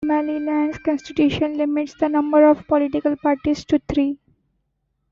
Somaliland's constitution limits the number of political parties to three.